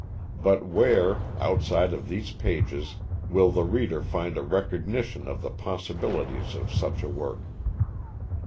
But where, outside of these pages, will the reader find a recognition of the possibilities of such a work?